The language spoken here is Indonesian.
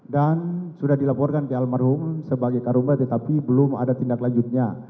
dan sudah dilaporkan ke almarhum sebagai karumba tetapi belum ada tindak lanjutnya